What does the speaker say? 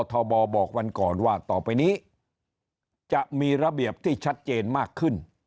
ทบบอกวันก่อนว่าต่อไปนี้จะมีระเบียบที่ชัดเจนมากขึ้น